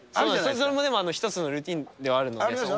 それも一つのルーティンではあるので。